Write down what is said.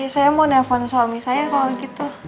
saya mau nelfon suami saya kalau gitu